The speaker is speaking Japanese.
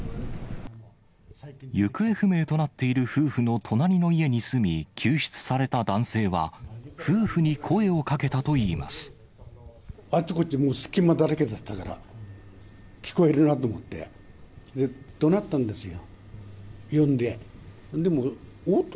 行方不明となっている夫婦の隣の家に住み、救出された男性は、あっちこっち、隙間だらけだったから、聞こえるなと思って、どなったんですよ、呼んで。